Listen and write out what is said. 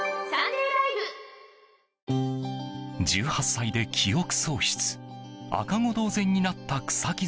１８歳で記憶喪失赤子同然になった草木